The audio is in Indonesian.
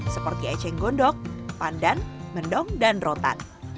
seperti eceng gondok pandan mendong dan rotan